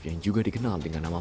yang juga dikenal dengan nama